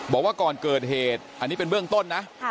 บอกว่าก่อนเกิดเหตุอันนี้เป็นเบื้องต้นนะ